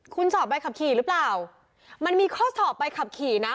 คุณจอดไปขับขี่รึเปล่ามันมีข้อจอดไปขับขี่นะ